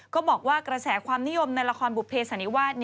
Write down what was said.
ก็บอกว่ากระแสความนิยมในละครบุภเสันนิวาส